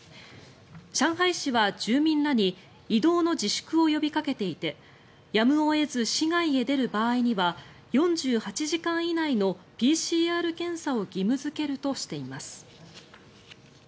上海市は住民らに移動の自粛を呼びかけていてやむを得ず市外に出る場合には４８時間以内のＰＣＲ検査を義務付けるとしています。